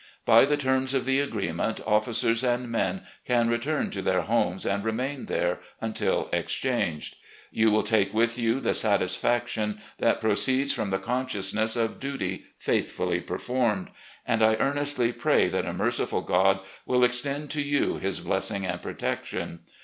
By the terms of the agreement, officers and men can return to their homes and remain there until exchanged. You will take with you the satisfaction that proceeds from the consciousness of duty faithfully performed; and I earnestly pray that a merciful God will extend to you His blessing and protection.